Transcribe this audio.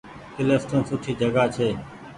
ڪلڦٽن سوٺي جگآ ڇي۔